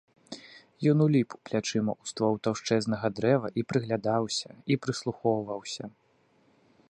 Ён уліп плячыма ў ствол таўшчэзнага дрэва і прыглядаўся, і прыслухоўваўся.